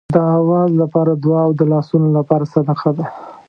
د آواز لپاره دعا او د لاسونو لپاره صدقه ده.